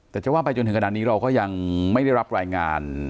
แต่จะว่าไปจนถึงขนาดนี้เราก็ยังไม่ได้รับรายงาน